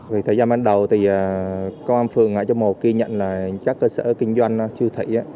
vì thời gian ban đầu thì công an phường trong mùa kia nhận là các cơ sở kinh doanh siêu thị